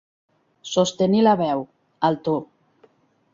Sostenir la veu, el to.